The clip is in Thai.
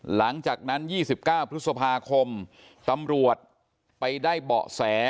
หลังจากนั้น๒๙พฤษภาคมตำรวจไปได้เบาะแส